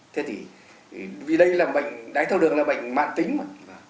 thế thì vì đây là bệnh đáy thao đường là bệnh mạn tính mà